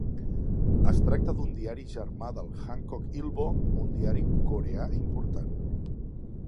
Es tracta d'un diari germà del "Hankook Ilbo", un diari coreà important.